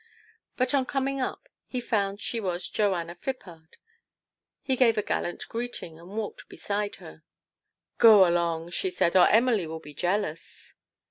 But, on coming up, he found she was Joanna Phippard. He gave a gallant greeting, and walked beside her. " Go along," she said, " or Emily will be jealous